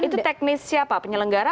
itu teknis siapa penyelenggara